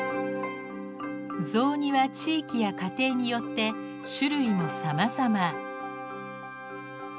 雑煮は地域や家庭によって種類もさまざま。